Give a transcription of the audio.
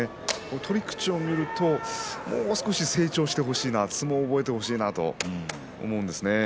取り口を見るともう少し成長してほしいな、相撲を覚えてほしいなと思いますね。